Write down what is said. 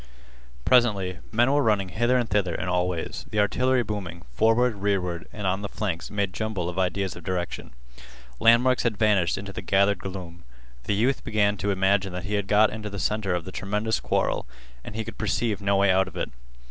Presently, men were running hither and thither in all ways. The artillery booming, forward, rearward, and on the flanks made jumble of ideas of direction. Landmarks had vanished into the gathered gloom. The youth began to imagine that he had got into the center of the tremendous quarrel, and he could perceive no way out of it.